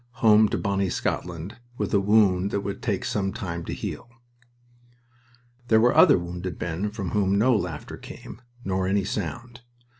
Home to bonny Scotland, with a wound that would take some time to heal. There were other wounded men from whom no laughter came, nor any sound.